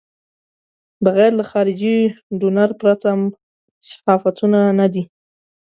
بغیر له خارجي ډونر پرته صحافتونه نه دي.